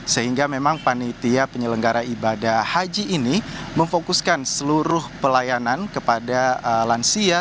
sehingga memang panitia penyelenggara ibadah haji ini memfokuskan seluruh pelayanan kepada lansia